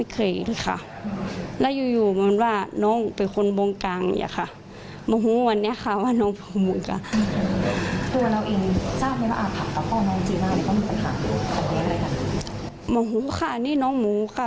เธอตกใจในเวลาแมทจากเวลาที่เธอไม่กินเหล้า